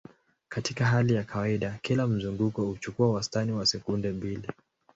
Katika hali ya kawaida, kila mzunguko huchukua wastani wa sekunde mbili.